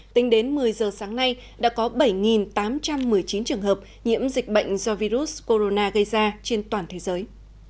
tính đến một mươi giờ sáng nay đã có bảy tám trăm một mươi chín trường hợp nhiễm dịch bệnh do virus corona gây ra trên toàn thế giới